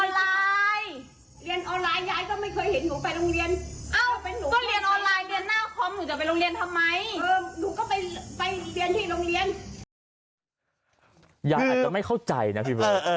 ยายอาจจะไม่เข้าใจนะพี่เบิร์ต